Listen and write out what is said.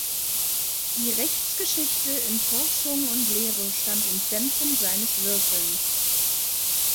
Die Rechtsgeschichte in Forschung und Lehre stand im Zentrum seines Wirkens.